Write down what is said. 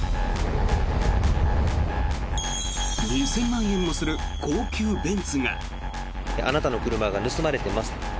２０００万円もする高級ベンツが。